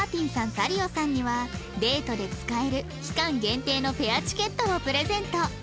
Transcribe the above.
サリオさんにはデートで使える期間限定のペアチケットをプレゼント